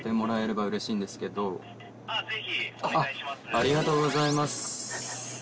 ありがとうございます。